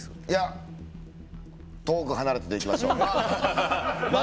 いや、遠く離れてでいきましょう。